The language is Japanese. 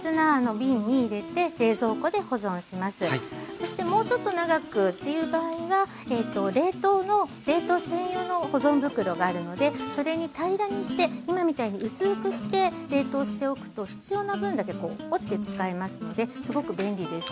そしてもうちょっと長くっていう場合は冷凍専用の保存袋があるのでそれに平らにして今みたいに薄くして冷凍しておくと必要な分だけ折って使えますのですごく便利です。